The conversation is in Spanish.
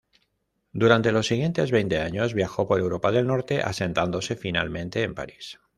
Durante los siguientes veinte años, viajó por Europa del Norte, asentándose finalmente en París.